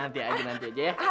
ada ada nanti aja nanti aja ya